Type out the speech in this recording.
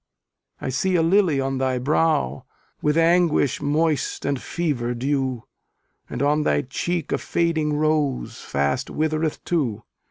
I see a lily on thy brow, With anguish moist and fever dew; And on thy cheek a fading rose Fast withereth too.